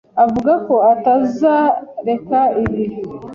Avuga ko atazareka itabi